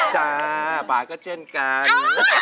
จ้าบาก็เช่นกัน